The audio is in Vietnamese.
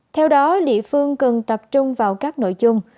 theo đó địa phương cần tập trung vào các nội dung